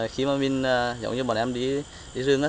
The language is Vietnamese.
khi mà mình giống như bọn em đi rừng